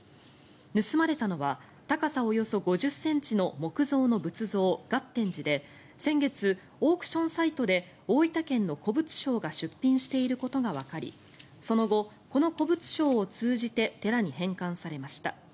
盗まれたのは高さおよそ５０ｃｍの木造の仏像、月天子で先月、オークションサイトで大分県の古物商が出品していることがわかりその後、この古物商を通じて寺に返還されました。